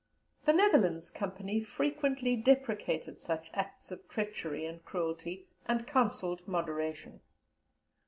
The Netherlands Company frequently deprecated such acts of treachery and cruelty, and counselled moderation.